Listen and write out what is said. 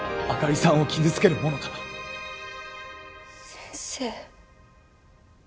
先生